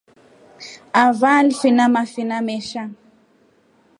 Avaa alifina mafina mesha.